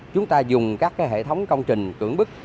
chúng ta dùng các hệ thống công trình cưỡng bức